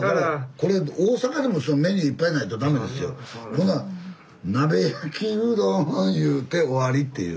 こんなん「鍋焼きうどん」いうて終わりっていう。